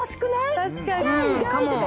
確かに。